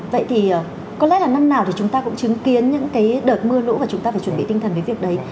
vậy thì có lẽ là năm nào thì chúng ta cũng chứng kiến những cái đợt mưa lũ và chúng ta phải chuẩn bị tinh thần cái việc đấy